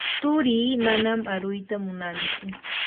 turii manan aruyta munantsu.